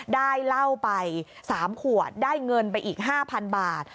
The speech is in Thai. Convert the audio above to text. ได้เหล้าไป๓ขวดได้เงินไปอีก๕๐๐๐บาท